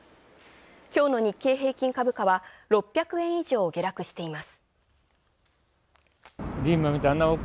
きょうの日経平均株価は６００円以上下落しています。